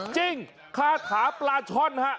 จริงคาถาปลาช่อนครับ